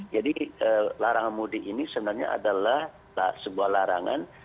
jadi larangan mudik ini sebenarnya adalah sebuah larangan